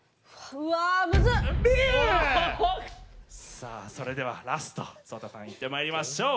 さあそれではラストＳＯＴＡさんいってまいりましょう。